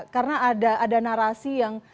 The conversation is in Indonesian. karena ada narasi yang